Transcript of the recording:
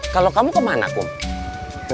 kalau kamu kemana kum